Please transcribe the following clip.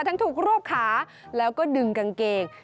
ถูกรวบขาแล้วก็ดึงกางเกง